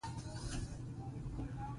تخیل د نوښت او ابتکار بنسټ جوړوي.